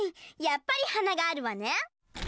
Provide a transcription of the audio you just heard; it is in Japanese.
やっぱり華があるわね。